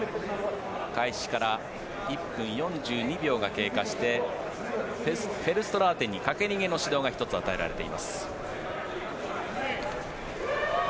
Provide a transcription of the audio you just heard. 開始から１分４２秒が経過してフェルストラーテンにかけ逃げの指導が１つ与えられています。